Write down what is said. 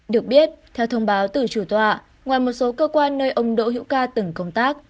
được biết theo thông báo từ chủ tọa ngoài một số cơ quan nơi ông đỗ hữu ca từng công tác